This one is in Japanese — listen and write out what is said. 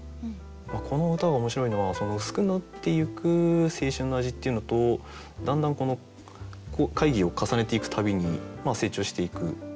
この歌が面白いのはうすくなっていく青春の味っていうのとだんだん会議を重ねていくたびに成長していく。